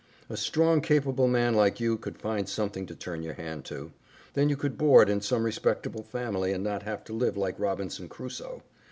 A strong, capable man like you could find something to turn your hand to. Then you could board in some respectable family, and not have to live like Robinson Crusoe.